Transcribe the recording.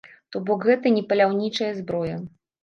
То бок гэта не паляўнічая зброя.